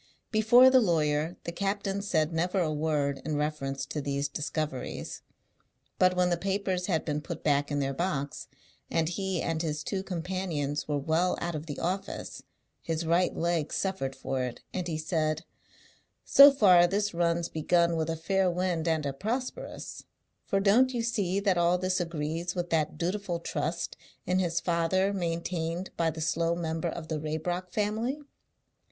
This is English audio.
Before the lawyer the captain said never a word in reference to these discoveries. But when the papers had been put back in their box, and he and his two companions were well out of the office, his right leg suffered for it, and he said, "So far this run's begun with a fair wind and a prosperous; for don't you see that all this agrees with that dutiful trust in his father maintained by the slow member of the Raybrock family?"